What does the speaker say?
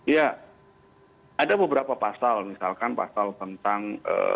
ya ada beberapa pasal misalkan pasal tentang